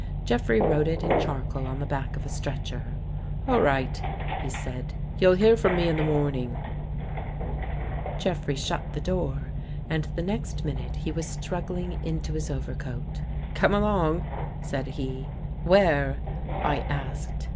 Jeffrey wrote it in charcoal on the back of a stretcher. " All right," he said. " You'll hear from me in the morning." Jeffrey shut the door and the next minute he was struggling into his overcoat. " Come along," said he. "Where?" I asked